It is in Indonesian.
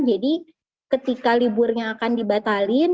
jadi ketika liburnya akan dibantuin